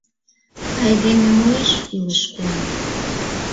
Айдеме муэш илыш куным.